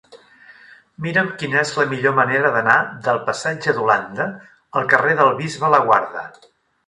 Mira'm quina és la millor manera d'anar del passatge d'Holanda al carrer del Bisbe Laguarda.